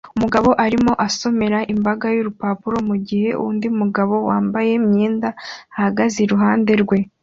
Umugabo arimo asomera imbaga y'urupapuro mu gihe undi mugabo wambaye imyenda ihagaze iruhande rwe